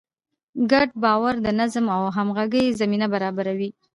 ګډ باور د نظم او همغږۍ زمینه برابروي.